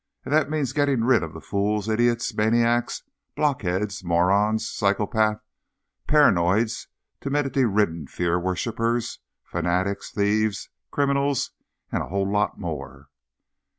And that means getting rid of the fools, idiots, maniacs, blockheads, morons, psychopaths, paranoids, timidity ridden, fear worshipers, fanatics, thieves, criminals and a whole lot more.